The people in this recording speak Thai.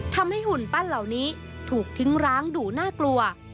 หุ่นปั้นเหล่านี้ถูกทิ้งร้างดูน่ากลัว